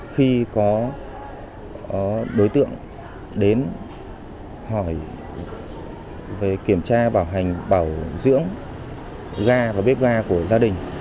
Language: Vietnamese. khi có đối tượng đến hỏi về kiểm tra bảo hành bảo dưỡng ga và bếp ga của gia đình